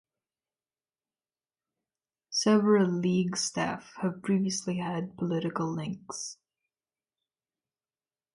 Several League staff have previously had political links.